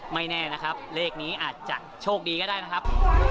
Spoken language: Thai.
ไม่แน่นะครับเลขนี้อาจจะโชคดีก็ได้นะครับ